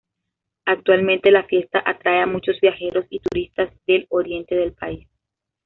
Actualmente la fiesta atrae a muchos viajeros y turistas del oriente del país.